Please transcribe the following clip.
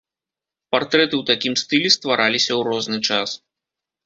Партрэты ў такім стылі ствараліся ў розны час.